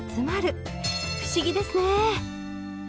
不思議ですね。